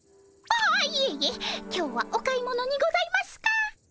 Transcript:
ああいえいえ今日はお買い物にございますか？